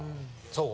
そう？